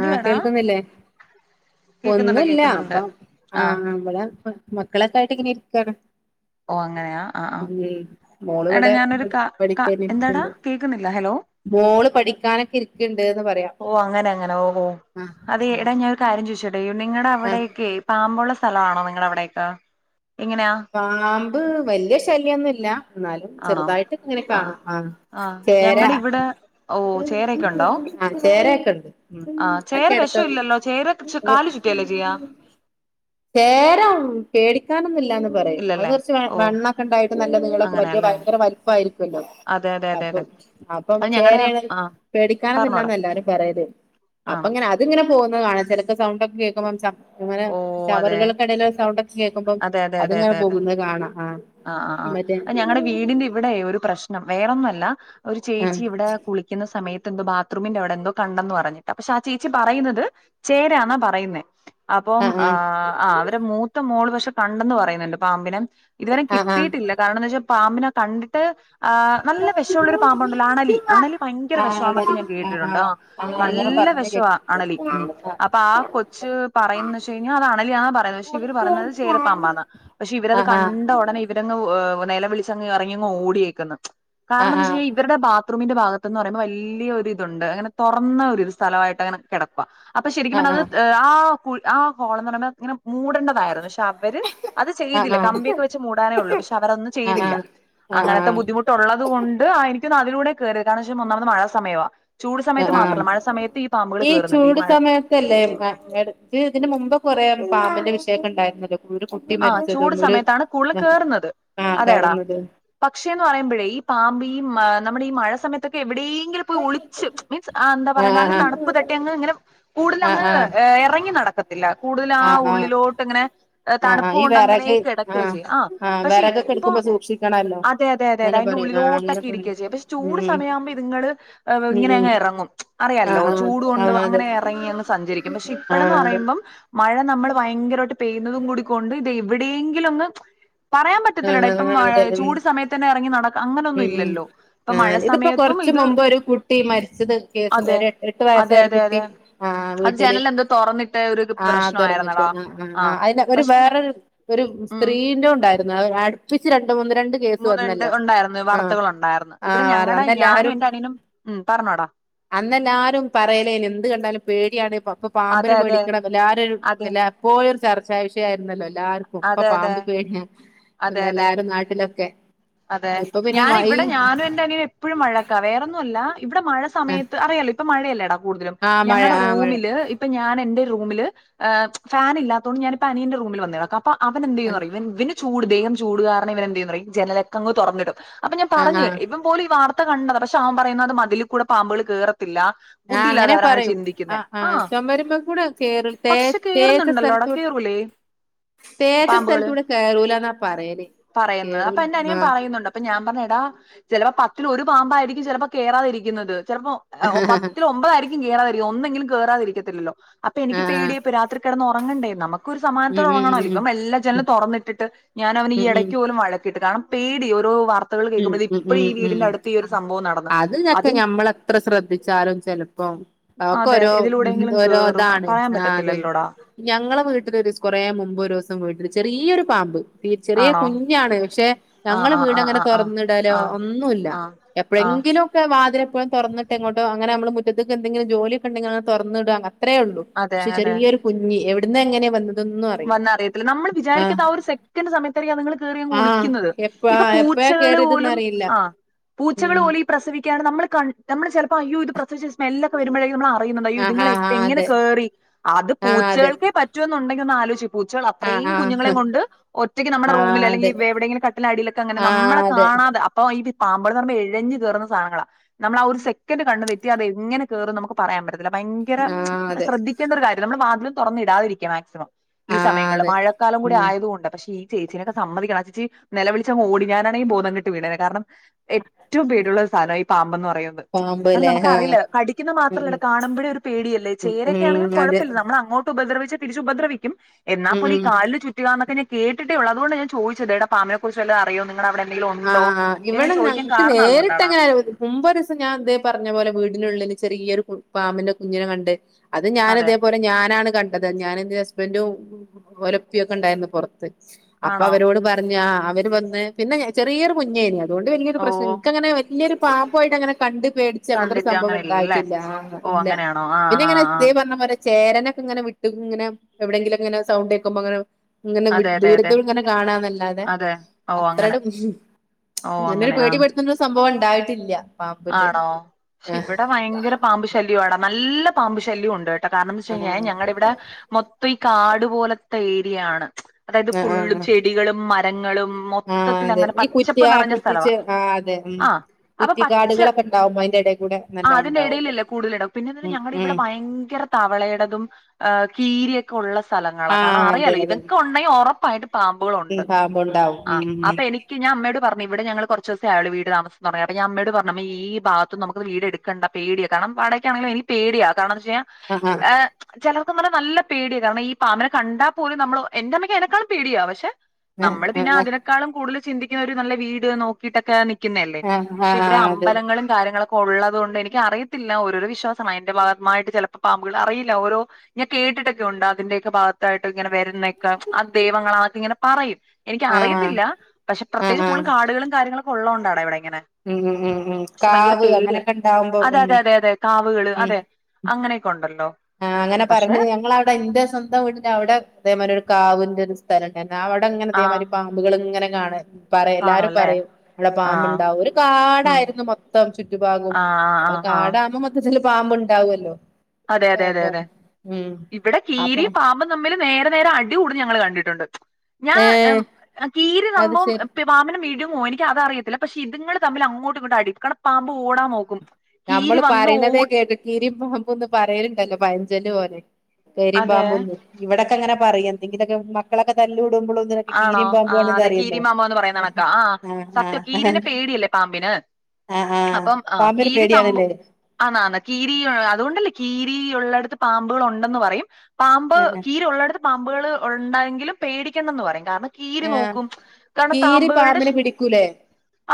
ആഹ് കേൾക്കുന്നില്ലേ കേക്കുന്നുണ്ട് ഒന്നുല്ല കേക്കുന്നുണ്ട് അപ്പം ആഹ് ബടെ പ്പ മക്കളൊക്കായിട്ട്ങ്ങെനെ ഇര്ക്കാണ് ഓ അങ്ങനെയാ ആഹ് ആഹ് ഇല്ലേ മോള് എടാ ഇവിടെ ഞാനൊരു പ ക ക എന്താടാ പഠിക്കാനിരിക്ക്ണ്ട് കേക്കുന്നില്ല ഹലോ മോള് പഠിക്കാനൊക്കെ ഇരിക്ണ്ട്ന്ന് പറയാ ഓ അങ്ങനെ അങ്ങനെ ഓ ഓ ആഹ് അതെ ആഹ് എടാ ഞാനൊരു കാര്യം ചോയിചോട്ടെ നിങ്ങടെ ആഹ് അവിടെക്കെ പാമ്പുള്ള സ്ഥല ആണോ നിങ്ങടെ അവിടേക്ക എങ്ങനാ പാമ്പ് വല്യ ശല്യൊന്നുല്ല ന്നാലും ആണോ ചെറുതായിട്ടൊക്കെ ഇങ്ങനെ കാണാം ആഹ് ചേരാ ഞങ്ങടെ ഇവിടെ ഓ ചേരയൊക്കെ ഉണ്ടോ ആഹ് ചേരൊക്കെണ്ട് ഉം ആഹ് ചേര അതൊക്കെ എടുക്ക വിഷം ഇല്ലല്ലോ ചേര കാല് ചുറ്റിയല്ലേ ചെയ്യാ ചേര പേടിക്കാനൊന്നില്ലാന്ന് പറയും അത് ഇല്ലല്ലേ കുറച്ച് ഓ വണ്ണൊക്കെ ഉണ്ടായിട്ട് നല്ല നീളൊക്കെ വല്യ അങ്ങനെയല്ലേ ഭയങ്കര വലിപ്പയിരിക്കുല്ലോ അതെ അതെ അതെ അതെ അപ്പം അപ്പം അത് ഞങ്ങടെ ചേരയാണ് ആഹ് പറഞ്ഞോടാ പേടിക്കാനൊന്നില്ലന്നല്ലാരും പറയല് ആണോ ത്ങ്ങനെ പോകുന്നത് കാണ ചിലപ്പോസൗണ്ടക്കെ കേക്കുമ്പോം ഇങ്ങനെ ഓ അതെ ചവറുകൾക്കിടല് സൗണ്ട് ഒക്കെ കേക്കുമ്പോ അതെ അതെ അതെ അത്ങ്ങനെ അതെ അതെ പോകുന്നത് കാണാം ആഹ് ആഹ് അഹ്ആഹ് ഞങ്ങളടെ വീടിന്റെ ഇവിടെ ഒരു പ്രശ്നം വേറൊന്നുംല്ല ഒരു ആ ചേച്ചി ഇവിടെ കുളി രിക്കുന്ന സമയത്ത് എന്തോ ബാത്റൂമിന്റെവിടെ എന്തോ കണ്ടന്ന് പറഞ്ഞിട്ട് ക്ഷെ ആ ചേച്ചി പറയുന്നത് ചേരാന്നാ പറയുന്നേ അപ്പം ആ ആ ആഹ് ആഹ് അവരെ മൂത്ത മോള് പക്ഷെ കണ്ടന്ന് പറയുന്നുണ്ട് പാമ്പിനെ ഇതുവരെ ആ ആ കിട്ടിയിട്ടില്ല കാരണം ന്നു വെച്ചാ പാമ്പിനെ കണ്ടിട്ട് ആ നല്ല വെശള്ളൊരു പാമ്പുണ്ടല്ലോ അണലി അണലി ഭയങ്കര വി ഷാന്നൊക്കെ ഞാൻ ആ ആ കേട്ടിട്ടുണ്ട് ആ അങ്ങനെ നല്ല പറഞ്ഞ വിഷവാ കേട്ടി അണലി ഉം അപ്പൊ ആ കൊച്ച് പറയന്ന് വെച്ച കഴിഞ്ഞാ അത് അണലി ആന്നാപറയുന്നത് ഇവര് പറയുന്നത് ചേരപ്പാമ്പന്ന് പക്ഷെ ഇവരത് ക ആഹ് ണ്ട ഉടനെ ഇവരങ്ങ് നെലവിളിച്ചങ് എറങ്ങി ഓടിയേക്കുന്നു ആഹ് ആഹ് കാരണംന്ന് വെച്ചാ ന്ത് ചെയ്യ് ഇവരുടെ ബാത്റൂമിന്റെ ഭാഗത്ത്ന്ന് പറയ്പോ വല്യോരു ഇതുണ്ട് അങ്ങനെ തുറന്ന ഒരു സ്ഥലമായിട്ട് അങ്ങനെ കെടക്കുവാ അപ്പൊ ശരിക്കും ആഹ് ആഹ് പറഞ്ഞാത് ആ ആ ഹോള്ന്ന് പറയുമ്പ ഇങ്ങനെ മൂടണ്ട തായിരുന്നു പക്ഷെ അവര് അത് ആഹ് ആഹ് ആഹ് ചെയ്തില്ല കമ്പി വെച്ച് മൂടാനേള്ളൂ പക്ഷെ അവരൊന്നും ആഹ് ചെയ്തില്ല ആഹ് അങ്ങനത്തെ ബുദ്ധിമുട്ട് തൊള്ളത്കൊണ്ട് ആ എനിക്കോന്നുഅതിലൂടെ കേറിയ താ കാരണംച്ചാ മഴ സമയവാ ചൂട് സമയത്ത് ആഹ് ആഹ് മാത്രല്ല മഴ സമയത്ത് ഈ പാമ്പുകൾ കയറുന്നുണ്ട് ഈ മഴ ഇതല്ലേ ഇതിന് മുമ്പോക്കെ കൊറെ പാമ്പിന്റെ വിഷയക്കെണ്ടായിരുന്നത് ഒരു കുട്ടി ആ ചൂട് മരിച്ചതും ഒരു സമയത്താണ് കൂടുതൽ ആ കരയുന്നത് പക്ഷേ എന്ന് പറയുമ്പോഴേ ഈ പാമ്പ് ഈ നമ്മുടെ ഈ മഴ സമയത്തൊക്കെ എവിടെയെങ്കിലും മ്പ് ഒളിച്ചു മീൻസ് എന്താ പറയ ആഹ് നല്ല ആഹ് തണുപ്പ് തട്ടി അങ്ങ് ഇങ്ങനെ കൂടുതൽ ആഹ് അങ്ങ് ആഹ് ഇറങ്ങി നടക്കത്തില്ല കൂടുതൽ ആ ആഹ് ഉള്ളിലോട്ട് ഇങ്ങനെ ആഹ് തണു ആഹ് ഈ പ്പോണ്ട് അങ്ങനെ വിറക് കിടക്കയല്ലേ ആഹ് ആ പക്ഷെ വിറകൊക്കെ ഇപ്പ എടുക്കുമ്പോ സൂക്ഷിക്കണല്ലോ അതെ അതെ അതെ അങ്ങനെ അതിന്റെ പറയും ആഹ് അങ്ങനെ ഉള്ളിലോട്ടൊക്കെ പറയും ഇരിക്കുക പക്ഷെ ചൂട് ഉം സമയയാവുമ്പോ ഇത്ങ്ങള് ഉം ഉം ഇങ്ങനെങ്ങ ഇറങ്ങും അറിയല്ലോ ആഹ് ചൂട് ആഹ് കൊണ്ട് ആഹ് അതെ അങ്ങനെ ഇറങ്ങിന്ന് സഞ്ചരിക്കും പക്ഷെ ഇപ്പോഴന്ന് ആഹ് അതെ പറയുമ്പം മഴ നമ്മൾ ഭയങ്കരമായിട്ട് പെയ്യുന്നതും കൂടി ഇതെവിടെയെങ്കിലും ഒന്നു പറയാൻ പറ്റത്തില്ലടാ ഇപ്പം ആഹ് അതെ ഉം ചൂട് സമയത്ത് തന്നെ ഇറങ്ങി നട ഉം ഉം ആഹ് ഇതിപ്പോ സമയത്തും കുറച്ച്‌ ഇത് മുമ്പോരു കുട്ടി മരിച്ചത് അതെ കേസ്ണ്ടായ എട്ടു അതെ വയസ്സായ ഒരു അതെ കുട്ടി അതെ ആ അത് വീട്ടില് ജനലെന്തോ തുറന്നിട്ട ഒരു ആഹ് അതെറഞ്ഞിട്ട് പ്രശ്നമായിരുന്നടാ ആഹ് ആഹ് ആഹ് അയിന്റെ ഒരു പക്ഷെ ഞ വേറൊരു ഒരു ഉം സ്ത്രീന്റെ ഉണ്ടായിരുന്നു അവര് അടുപ്പിച്ച് രണ്ട് മൂന്ന് രണ്ട് കേസ് മൂന്ന്ണ്ട് വന്നല്ലോ ഉണ്ടായിരുന്നു ആ വാർത്തകൾ ഉണ്ടായിരുന്നു ആ ഇവിടെ ഞങ്ങളടെ ഞാനും എന്റെ അനിയനും ഉം പറഞ്ഞോടാ അന്ന് എല്ലാരും പറയലേന് എന്ത് കണ്ടാലും പേടിയാണ് അപ്പൊ പാമ്പിന അതെ അതെ പേടിക്കണം എല്ലാരും ഒരു അതെ ല്ലാ ഇപ്പോഴും ഒരു ചർച്ചാ വിഷയ ആരുന്നല്ലോ എല്ലാർക്കും ഇപ്പൊ അതെ അതെ പാമ്പ് പേ അതെ പിന്നെ അതെ എല്ലാരും നാട്ടിലൊക്കെ അതെ ഇപ്പൊ പിന്നെ ഞാന് മഴ ഇവിടെ ഞാനും എന്റെ അനിയനും എപ്പോഴും വ ഴക്ക വേറൊന്നും അല്ല ഇവിടെ മഴ സയത്ത് അറിയല്ലോ ഇപ്പ മഴയല്ലേടാ കൂടുതലും ആ മഴ ഞങ്ങളുടെ ആ മഴ റൂമില് ഇപ് ഇപ്പ ഞാൻ എന്റെ റൂമില് ഫാൻ ഇല്ലാത്തോണ്ട് ഞാനിപ്പോ അനിയന്റെ റൂമിൽ വന്ന് കെടക്കും അ അപ്പൊ അവൻ എന്ത് ചെയ്യും ന്ന് ആഹ് അറിയ്യോ ഇവന് ചൂട് ദേഹം ചൂടുകാരണം ഇവന് എന്ത് ചെയ്യും ന്നറിയ്യോ ഈ ജനലൊക്കെ അങ്ങ് തുറന്നിടും അപ്പൊ ഞാൻ ആഹ് പറഞ്ഞു ആഹ് ഇവൻ പോലും ഈ വാർത്ത കണ്ടതാ പക്ഷെ അവൻ പറയുന്നത് അത് മതിലിൽ കൂടെ പാമ്പുകൾ കേറത്തില്ല ബുദ്ധിയില്ലാതെ അങ്ങനെ അവരങ്ങനെ പറയും ചിന്തിക്കുന്നെ ആഹ് ചുമരുമ്മേ കൂടെ കേറു തേ പക്ഷെ തേച്ച കേറുന്നുണ്ടല്ലോടാ സ്ഥലത്തൂ കേറും. [unintelligible] തേച്ച സ്ഥലത്തൂടെ കയറൂലാന്നാ പറയുന്നത് അപ്പൊ എന്റെ അനിയൻ പറയുന്നുണ്ട് അപ്പൊ ഞാൻ പറഞ്ഞു എടാ ചെലപ്പോ പത്തില് ഒരു പാമ്പായിരിക്കും ചെലപ്പോ കേറാതിരിക്കുന്നത് ചെലപ്പോ ആഹ് ഒ പത്തിലൊമ്പതായിരിക്കും കേറാതിരിക്കുക ഒന്നെങ്കിലും കേറാതിരിക്കത്തില്ലല്ലോ? അപ്പൊ എനിക്ക് ആഹ് പേടിയാപ്പൊ രാത്രി കെടന്ന് ഒറങ്ങണ്ടേ? നമുക്കും ഒരു സമാധാനത്തോടെ ഉം ഉം ഒറങ്ങണല്ലോ ഉം ഇവൻ മെല്ലെ എല്ലാ ഉം ജനലും തൊറന്നിട്ടിട്ട് അവൻ ഈ ഉം ഉം എടക്ക് പോലും വഴക്കിട്ട് കാരണം പേടി ഓരോ വർ ഉം ഉം ഉം സംഭവം നടന്ന് അത് [unintelligible] അതും ഞമ്മള് എത്ര ശ്രദ്ധിച്ചാലും ചെലപ്പം അതെ ആക്കൊരോ ഇതിലൂടെയെങ്കിലും ഓരോ കേറും ഇതാണ് പറയാൻ ആഹ് അതെ. പറ്റത്തില്ലല്ലോടാ ഞങ്ങളെ വീട്ടില് ഒരു സം കൊറേ മുമ്പ് ഒരുസം വീട്ടില് ചെറിയൊരു പാമ്പ് തീ ചെറിയ ആണോ കുഞ്ഞാണ് പക്ഷെ ആഹ് ഞങ്ങള് ആഹ് വീടങ്ങനെ ആഹ് ആഹ് തൊറന്നിടലോ ആഹ് ആഹ് ഒന്നു ഇല്ല ആഹ് ആഹ് എപ്പളേങ്കിലും വാതില് എപ്പോഴും തൊറന്ന്ട്ട് എങ്ങോട്ടോ അങ്ങനെ നമ്മള് മുറ്റത്തേ എന്തങ്കിലും ജോലിയെക്കെണ്ടെങ്കി അങ്ങനെ തൊറന്നിടാ അത്രേള്ളൂ. അതെ പക്ഷെ അതെ ചെറിയൊരു കുഞ്ഞി എവിടന്നാ എങ്ങനെ വന്നത് വന്നറിയത്തില്ല നമ്മള് വിചാരിക്കാത്ത ആ ഒരു സെക് ക്കെണ്ട സമയത്തായിരിക്കും അതുങ്ങള് കേറി അങ്ങ് ആ ഒളിക്കുന്നത് എപ്പ ഇപ്പ എപ്പഴാ പൂച്ചകള് കേറിയതെന്ന് പോലും അറിയില്ല ആഹ് പൂച്ചകള് ഉം പോലു ഈ പ്രസവിക്കാണ്ട് നമ്മള് കണ്ട് നമ്മള് ചെലപ്പോ അയ്യോ ഇത് പ്രസവിച്ച, സ്മെല്ലൊക്കെ വരുമ്പഴായിരിക്കും നമ്മൾ അറ [unintelligible] അയ്യോ ആഹ് ഇതുങ്ങള് എങ്ങനെ കേറി അത് ആഹ് ആഹ് അതെ പൂച്ചകൾക്കെ പറ്റുവെന്നുണ്ടെങ്കി ഒന്നാലോ പൂച്ചകൾ അത്രയും ആഹ് കുഞ്ഞുങ്ങളെ കൊണ്ട് ഒറ്റയ്ക്ക് നമ്മടെ റൂമിൽ അല്ലെങ്കി അതെ എവിടെയങ്കിലും കട്ടിലിനടിയിലൊക്കെ അങ്ങനെ ആഹ് ആഹ് നമ്മളെ ആഹ് അതെ ആഹ് അതെ കാണാതെ അപ് ഓഹ് ഇത് പാമ്പുകൾ എന്ന് പറയുമ്പോ എഴഞ്ഞു കേറുന്ന സാധനങ്ങളാ നമ്മളാ ഒരു സെക്കൻഡ് കണ്ണു തെറ്റിയാൽ അതെങ്ങനെ കേറുന്നു നമുക്ക് പറയാൻ പറ്റത്തില്ല ഭയങ്ക ആഹ് ഭയങ്കര അതെ ശ്രദ്ധിക്കേണ്ട ഒരു കാര്യം, നമ്മൾ വാതിലു തൊറന്നിടാതിരിക്കുക മാക്സിമം. ഈ ആഹ് സമയങ്ങളില് അതെ മഴക്കാലം കൂടി ഉം ആയതുകൊണ്ട് പക്ഷെ ഈ ചേച്ചിനൊക്കെ സമ്മതിക്കണം ആ ചേച്ചി നിലവിളിച്ചങ്ങോടി ഞാൻ ആണെങ്കി ബോധം കെട്ട് വീണേനെ കാരണം ഏറ്റവും പേടിയുള്ള ഒരു സാധനാ ഈ പാമ്പന്ന് പറയുന്നത്. പാമ്പ് ആടാ ല്ലേ നമ്മക്ക് ആഹ് അറിയില്ല കടിക്കുന്ന ഉം മാത്രല്ലട ഉം കാണുമ്പഴെ ഒരു പേടിയല്ലേ ഉം ചേരയെക്കെ ആണെങ്കിലും ഉം കൊഴപ്പ അതെ [unintelligible] നമ്മള് അങ്ങോട്ട്ഉപദ്രവിച്ച് തിരിച്ചുപദ്രിക്കും എന്നാ ഉം പോലും ഈ ഉം കാലില് ചുറ്റുക എന്നൊക്കെ ഞാൻ കേട്ടിട്ടേ ഉള്ളൂ അതുകൊണ്ടാ ഞാൻ ചോദിച്ചത് എടാ പാമ്പിനെ കുറിച്ച് വല്ലോ അറിയോ നിങ്ങടെ അവിടെ എന്തെങ്കിലും ഉണ്ടോ ആഹ് എന്ന് ചോദിക്കാൻ കാരണം അതുകൊണ്ടാടാ മുമ്പ് ഒരൂസം ഞാൻ ഇതേ പറഞ്ഞ പോലെ വീടിനുള്ളില് ചെറിയൊരു പാമ്പിന്റെ കുഞ്ഞിനെ കണ്ട് അത് ഞാനു അതെ ഇതേപോലെ ഞാനാണ് കണ്ടത് ഞാനു ഇന്റെ ഹസ്ബൻഡും ഓലെപ്പയൊക്കെ ഇണ്ടായിരുന്നു പൊറത്ത് അപ്പൊ ആണോ അവരോട് പറഞ്ഞ് ആഹ് അവര് വന്ന് പിന്നെ ഞാ ചെറിയൊരു കുഞ്ഞേനിയത് അതുകൊണ്ട് വെല്യൊരു ഓ പ്രശ്നം ഇൻക്കങ്ങനെ വെല്യൊരു പാമ്പു ആയിട്ട്ങ്ങനെ കണ്ട് പേടി ച്ച് അങ്ങനത്തെ ഒരു കണ്ടിട്ട് സംഭവം അങ്ങനെയല്ലേ ഇണ്ടായിട്ടില്ല ആഹ് ഓ ഇല്ല അങ്ങനെയാണോ ആ പിന്നെ ആ ഇങ്ങനെ ആ [unintelligible] പറഞ്ഞ പോലെ ചേരെനൊക്കെ ഇങ്ങനെ വിട്ട് ഇങ്ങനെ എവിടെയങ്കിലും ഇങ്ങനെ സൗണ്ട് കേക്കുമോ ഇങ്ങനെ ഇങ്ങനെ അതെ വിട്ട് അതെ അതെ ദൂരത്തൂന്നിങ്ങനെ കാണാന്നല്ലാതെ അതെ ഓ അങ്ങനെ അത്രയട് ഓ ഇങ്ങനൊരു അങ്ങനെ ആ പേടി പേടിക്കൊണ്ടൊരു സംഭവം ഇണ്ടായിട്ടില്ല ആണോ ക്ഷെ ഇവിടെ ഭയങ്കരം പാമ്പ് ശല്യം ആടാ നല്ല പാമ്പ് ശല്യം ഒണ്ട് കേട്ടോ കാരണന്ന് വെച്ച് ആഹ് കഴിഞ്ഞാൽ ഞങ്ങടെ ആഹ് ഇവിടെ മൊത്ത് ഇപ്പ ഈ കാടു പോലത്തെ ഏരിയാണ് അതായത് ഫുള്ളും ആഹ് ചെടികളും മരങ്ങളും ആഹ് മൊത്തത്തിൽ അതെ അങ്ങനെ ഈ കുറ്റി പച്ചപ്പ് ആ നെറഞ്ഞ സ്ഥലവാ കുറ്റിച്ച് ആ അതെ ഉം ആഹ് കുറ്റിക്കാടുകളൊക്കെ ഇണ്ടാവുമ്പോ അതിന്റെ എടെ കൂടെ ആ നല്ലോണം അതിന്റെ ഇണ്ടാവല്ലോ ഇടയിലല്ലേ കൂടുതലിടം പിന്നെ എന്തിനാ ഉം ഞങ്ങടെ ഉം ഇവിടെ ഭയങ്കര തവളേടെതും ആഹ് കീരിയെക്ക് ക്കെ ഒള്ള സ്ഥലങ്ങളാ കാരണം ആഹ് അതെ അറിയാലോ അതെ ഇതൊക്കെ ഒണ്ടെങ്കി ഒറപ്പായിട്ട് പാമ്പുകള് ഒണ്ട് ഇണ്ടാവും ഉം ഉം അപ്പ എനിക്ക് ഞാൻ അമ്മയോട് പറഞ്ഞു ഇവടെ ഞങ്ങള് കൊറച്ച് ദിവസെ ആയുള്ളൂ വീട് താമസം തൊടങ്ങി അപ്പോ ഞാൻ അമ്മോട് പറ അമ്മേ ഈ ഭാഗത്ത് വീട് നമ്മക്ക് എടുക്കണ്ട പേടിയാ കാരണം വാടകയ്ക്കാണെങ്കിലും എനിക്ക് പേടിയാ എന്താ കാരണോന്ന് വെച്ച് കഴിഞ്ഞാ ആഹ് എ ചിലർക്കും നല്ല പേടിയാണ് കാരണം ഈാനെ കണ്ടാൽ പോലും നമ്മള് എന്റെമ്മയ്ക്ക് അനെക്കാളും പേടിയാ പക്ഷെ നമ്മള് പിന്നെ അതിനേക്കാളും കൂടുതൽ ചിന്തിക്കുന്ന ഒരു നല്ല വീട് നോക്കിട്ടൊക്കെ നിൽക്കുന്ന അല്ലേ ആഹ് ആഹ് ആഹ് ഇവിടെ ആഹ് അതെ അമ്പലങ്ങളും കാര്യങ്ങളൊക്കെ ഉള്ളത് കൊണ്ട് എനിക്ക് അറിയത്തില്ല ഓരോ വിശ്വാസമാണ് അയിന്റെ ഭാഗമായിട്ട് ചിലപ്പോ പാമ്പുകൾ അറിയില്ല ഓരോ ഞാൻ കേട്ടിട്ടൊക്കെ ഉണ്ട് അതിന്റെയൊക്കെ ഭാഗത്തായിട്ട് ഇങ്ങനെ വരുന്നക്കെ ആ ദൈവങ്ങൾ ആദ്യം ഇങ്ങനെ പറയും എനിക്ക് ആഹ് അറിയത്തില്ല ആഹ് പക്ഷെ ആഹ് പ്രത്യകിച്ച് കൂടുതും ആഹ് കാടുകളും കാര്യങ്ങളൊക്കെ ഉള്ള കൊണ്ടാടാ ഇവിടെ ഇങ്ങനെ ഉം ഉ ഉം ഉം പക്ഷെ ഭയങ്കര കാവ് പേടിയാ അങ്ങനെയൊക്കെ ഉണ്ടാവുമ്പോ അതെ ഉം അതെ അതെ അതെ കാവുകള് അതെ അങ്ങനെയൊക്കെ ഉണ്ടല്ലോ ആ അങ്ങനെ പക്ഷെ പറിണ ഞങ്ങളെ അവിടെ ഇന്റെ സ്വന്തം വീടിൻ്റെ അവിടെ ഇതേ മാതിരി ഒരു കാവിന്റെ ഒരു സ്ഥലണ്ടയ്അവിടെ ആഹ് ഇങ്ങനെഇതേമാതിരി പാമ്പുകള്ങ്ങനെ കാണ പറ എല്ലാരും കാണുംല്ലേ പറയും ഇവിടെ ആഹ് പാമ്പുണ്ടാവും ഒരു ഉം കാടായിരുന്നു മൊത്തം ചുറ്റുപാഗും ആഹ് ആഹ് ആഹ് ആഹ് കാട് ആകുമ്പോൾ മൊത്തത്തിൽ പാമ്പുണ്ടാവുല്ലോ അതെ അതെ അതെ ഇവിടെ അപ്പൊ കീരി പാമ്പ് തമ്മിൽ നേരെ നേരെ അടി കൂടുന്നത് ഞങ്ങൾ കണ്ടിട്ടുണ്ട് ഞാ ഏഹ് കിരി അത് സംഭവം ശരി പാമ്പിനെ വിഴുങ്ങോ എനിക്ക അത് അറിയത്തില്ല പക്ഷെ ഇതുങ്ങൾ തമ്മിൽ അങ്ങോട്ടും ഇങ്ങോട്ടും അടിക്കണം പാമ്പ് ഓടാൻ നോക്കും കീരി വന്ന് ഓ കീരി പാമ്പുംന്ന് പറയലുണ്ടല്ലോ പയഞ്ചല്ല് പോലെ കീരി അതെ പാമ്പുംന്ന് ഇവിടൊക്കെ അങ്ങനെ പറയും എന്തെങ്കിലൊക്കെ മക്കളൊക്കെ തല്ല ൂടുമ്പോൾ ആണോ ആ അതെ കീരി പാമ്പോന്ന് പറയുന്ന കണക്കാ ആ ആഹ് സത്യം കീരിന ആഹ് പേടിയല്ലേ പാമ്പിന് ആഹ് ആഹ് അപ്പം ആ പാമ്പിന് കീരി സംഭു പേടിയാണല്ലേ ആണ് ആണ് കീരി അതുകൊണ്ടല്ലേ കീരി ഉള്ളടത്ത് പാമ്പുകൾ ഉണ്ടെന്ന് പറയും. പാമ്പ് ആഹ് കീരീ ഉള്ളടത്ത് പാമ്പുകൾ ഉണ്ടായെങ്കിലും പേടിക്കണ്ടന്ന് പറയും കാരണം കീരീ ആഹ് നോക്കും കാരണം കീരി പാമ്പുകളുടെ പാമ്പിനെ പിടിക്കൂലേ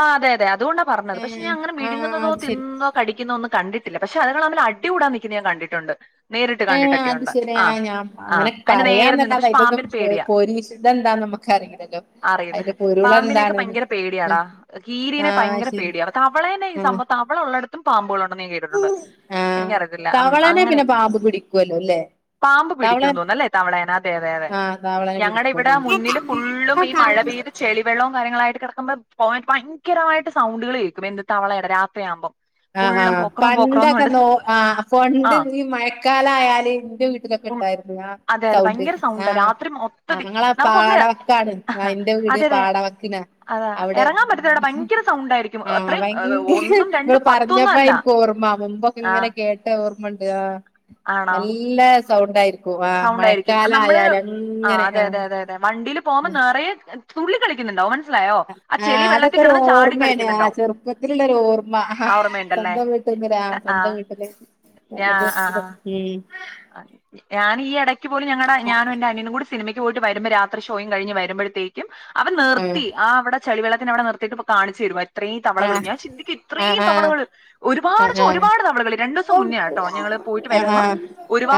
ആ അതെ അതെ അതൊണ്ടാ പറഞ്ഞത് ഞാൻ ഏഹ് അങ്ങനെ ആഹ് വിഴുങ്ങുന്നതോ അത് തിന്ന് ശരി ന്നതോ കടിക്കുന്നോ ഒന്ന് കണ്ടിട്ട് ല്ല പക്ഷെ അത്ങ്ങള് അടി കൂടാൻ നിക്കുന്നത് ഞാൻ കണ്ടിട്ടുണ്ട്. നേരിട്ട് ഏ... അത് കണ്ടിട്ടൊക്കെയുണ്ട് ആ ശരിയാ ഞാൻ ആ അങ്ങനെ അതിന്റെ നേരെ നിന്ന് പറയാെന്നല്ലാത പക്ഷെ ഇതൊക്കും പാമ്പിന് പേടിയാ പോലീസ് ഇതെന്താ നമുക്ക് അറിയില്ലല്ലോ അറീലേ പാമ്പിനെക്കെ ഭയങ്കര പേടിയാടാ കീരിനെ ആഹ് ഭയങ്കര ശരി പേടിയാ തവളെ നെ ഈ ആഹ് സമ്പവത്ത് തവള ഉള്ളിടത്തും പാമ്പുകളുണ്ടെന്ന് ഞൻ കേട്ടിട്ടുണ്ട് ആഹ് എനിക്കറിയതില്ല തവളനെ പിന്നെ അങ്ങനെയക്കെ പാമ്പ് പിടിക്കുവല്ലോ അല്ലേ പാമ്പ് പിടിക്കും തവളൻ തോന്നുന്നുല്ലേ തവളേന അതെ അതെ അതെ ആഹ് തവളനെ ഞങ്ങടെ പിടിക്കും ഇവിടെ മുന്നില് ഫുള്ളു ഈ ആഹ് മഴ പെയ്ത് ആഹ് ചെളിവെള്ളവും കാര്യങ്ങളായിട്ട് കെടക്കുമ്പോ പോയി ഭയങ്കരമായിട്ട് സൗണ്ടുകള് കേൾക്കും എന്ത് തവളടെ രാത്രിയാകുമ്പോം ആഹ് ആഹ് പണ്ടൊക്കെ നോ ആ ആ പണ്ട് ഈ മഴക്കാലായാല് എന്റെ ഫുൾ വീട്ടിലൊക്കെണ്ടായിരുന്നു. ആഹ് അതെ അതെ സൗണ്ട് ഭയങ്കര സൗണ്ടാ ആഹ് രാത്രി മൊത്തത്തി അഹങ്ങള നമുക്കൊന്ന് പാടവക്കാണ് ആഹ് ഇന്റെ വീട് അതെ അതെ പാടവക്കിലാണ് അതാ അവടെ എറങ്ങാൻ പറ്റത്തില്ലടാ ഭയങ്കര സൗണ്ടായിരിക്കും ആഹ് അത്രയും ഏഹ്, ഭയങ്ക ഒന്നും നിങ്ങള് രണ്ടും പത്തൊന്നും പറഞ്ഞപ്പ അല്ല ഇന്ക്ക് ഓർമ്മ മുമ്പൊക്കെ ആ ഇങ്ങനെ കേട്ട ഓർമ്മണ്ട് ആഹ് ആണോ നല്ല സൗണ്ടായിരിക്കും ആഹ് സൗണ്ട് ആയിരിക്കും മഴക്കാലായാലങ്ങനെ ആഹ് വണ്ടില് പോവുമ്പോ നിറയെ തുള്ളി കളിക്കുന്നുണ്ടാവു ആ ഹ് അതൊക്കൊരുർമ്മാണ് ആഹ് കളിക്കുന്നുണ്ടാവും ചെറുപ്പത്തിലുള്ളൊരു ഓർമ്മ ഹാ ആ ഓർമ്മയുണ്ടല്ലേ സ്വന്ത [unintelligible] സ്വന്തം ആഹ് വീട്ട് ൽ [unintelligible] ഞാനീ ഈടക്ക് പോലും ഞങ്ങടെ ഞാനും എന്റെ അനിനും കൂടി സിനിമയ്ക്ക് പോയിട്ട് വരുമ്പോ രാത്രിഷോയും കഴിഞ്ഞ് വരുമ്പോഴത്തേക്കും അവന് നിർത്തി ആഹ് അവിടെ ചളിവെള്ളത്തിനവിടെ നിർത്തിട്ട് കാണിച്ചരുവാ ഇത്രീതവളകള് ഞാൻ ചിന്തിക്കെ ആഹ് ഇത്രീം ആഹ് തവളകള് ആഹ് ആഹ് ആഹ് ആഹ് ഒരുപാടെച്ച ആഹ് ഒരുപാട് തവളകള് രണ്ട്സു മുന്നോണട്ടോ ഞങ്ങള് പോയിട്ട് വരുമ്പം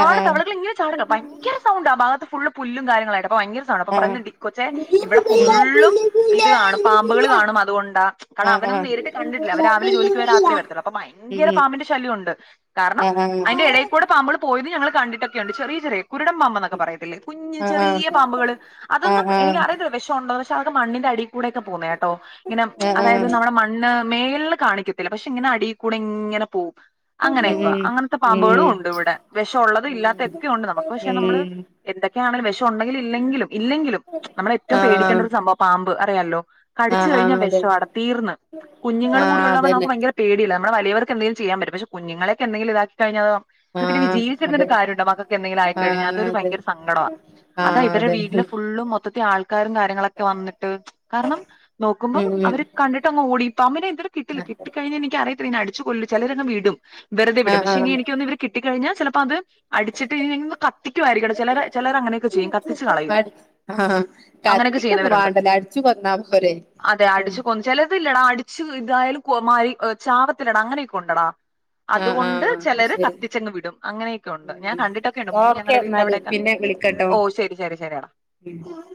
ആഹ് ആഹ് ആഹ് ആഹ് ഉം ഉം ആഹ് ആഹ് ആഹ് ആഹ് ആഹ് ആഹ് തവളകള് ഇങ്ങനെ ചാടട്ടെ ഭയങ്കര സൗണ്ട് ആ ഭാഗത്ത് ഫുളളു പുല്ലു കാര്യങ്ങളട്ടപ്പോ ഭയങ്കര അപ്പൊ പറഞ്ഞ ഡിക്കൊച്ചെ ഉം ഉം ഇവിടെ ഉം ഫുള്ളും ഉം ഉം ഇത് കാണും പാമ്പുകള് കാണു അതുകൊണ്ടാ കാരണവനൊന്ന നേരിട്ട് കണ്ടിട്ടില്ല അവ രാവിലെ ജോലിക്ക് പോയാ രാത്രിയേ വരത്തുള്ളു അപ്പൊ ഭയങ്കര പാമ്പിന്റെ ശല്യ ഉണ്ട്. ഏഹ് ഏഹ് അവ്. കൂടെ പാമ്പള് പോയത് ഞങ്ങള് കണ്ടിട്ടൊക്കെയുണ്ട് ചെറിയ ചെറിയ കുരുടൻ പാമ്പാ. ന്നൊക്കെ പറയത്തില്ലേ കുഞ്ഞ് ചെറിയ പമ്പ്കള് അതൊന്നും എനിക്കറിയത്തില്ല വെഷ ഒണ്ടോന്ന് പശെ അതൊക്കെ മണ്ണിന്റെ അടി കൂടെയൊക്കെ പോന്നേട്ടോ ഇങ്ങനെ അതായത് നമ്മുടെ മണ്ണ് ണ്ണ് മേൾല് കാണിക്കത്തില്ല പശെ ഇങ്ങനെ അടികൂടെ ങ്ങനെ പോം. അങ്ങനെക്ക്വ അങ്ങൻത്തെ പാമ്പോളുണ്ട് ഇവിടെ. വെഷ ഉള്ളത് ഇല്ലാത്തെക്കെ ഉണ്ട് നമുക്ക് പശെ നമ്മള്. എന്തൊക്കെയാണെങ്കിലും വെഷം ഒണ്ടെങ്കിലും ഇല്ലെങ്കിലും ഇല്ലെങ്കിലും നമ്മളേറ്റവും പേടിക്കേണ്ടൊരു സംഭവ പാമ്പ് അറിയാല്ലോ. കടിച്ചു കഴിഞ്ഞാ ആഹ് അതെ വെഷവാടാ തീർന്ന് കുഞ്ഞുങ്ങളും കൂടി ആഹ് ഉള്ളവ അതന്നെ നമുക്ക് ഭയങ്കര. പേടിയല്ലേ നമ്മള് വലിയർക്കന്തേലും ചെയ്യാൻ പറ്റും പശെ കുഞ്ഞങ്ങളെക്കെന്തെങ്കിലു താക്കികഴിഞ്ഞാ ആഹ്. അതെ ജീവിച്ചിരുന്നിട്ട് കാര്യണ്ടോ മക്കക്കെന്തിങ്കിലു ആയിക്കഴിഞ്ഞാ ആഹ് അതൊരു അതെ ഭയങ്കര സങ്കടവാ. അതാ ആഹ് ഇവരെ അതെ വീട്ടില് ഫുളളു മൊത്തത്തി ആൾ ക്കാരും കാര്യങ്ങളൊക്കെ വന്നിട്ട് കാരണം നോക്കുമ്പം ഉം ഉം അവര് കണ്ടിട്ടങ്ങ് ഓടി പാമ്പിനെ കിട്ടില്ല കിട്ടി കഴിഞ്ഞാലെനിക്കറിയത്തില്ല ഇനി അടിച്ചു കൊല്ലു ചിലരങ് വിടും വെറുതെ വിടും ആഹ് പശെ ആഹ് ഇനി എനിക്ക്തോന്ന് ഇവര് കിട്ടി കഴിഞ്ഞ. ചെലപ്പോ അത് അടിച്ചിട്ട് ഇ കത്തിക്കുവായിരിക്കും ചെലരെ ചെലരങ്ങനെയൊക്കെ ചെയ്യും കത്തിച്ച് കളയും. അട് ആഹ് ആഹ് അങ്ങനെയൊക്കെ കത്തിക്കൊന്നും ചെയ്യുന്നവരുണ്ട് വാണ്ടല്ലേ അട്ച്ചു കൊന്നാ പോരെ. അതെ ഉം അടിച്ച് കൊന്ന് ചെലർ. ത് ല്ലടാ അടിച്ചു ഇതായാലും കൊ മരി അ് ചാവത്തിലടാ അങ്ങനെയൊക്കെ ഉണ്ടടാ. ആഹ് അതുകൊണ്ട് ആഹ് ചെലര് ശരി കത്തിച്ചങ്ങ് വിടും. അങ്ങനെയൊകൊണ്ട് ഞാ ഉം കണ്ടിട്ടൊക്കെണ്ട് മുമ്പ് ഓക്കെ ഞങ്ങടെ എന്നാല് വീടിന്റെവിടെക്ക ഓ ശെരി ശരി ശെരിയടാ. ഇ. [unintelligible]